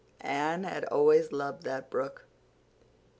Anne had always loved that brook.